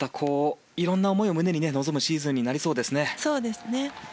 いろいろな思いを胸に臨むシーズンになりそうですね。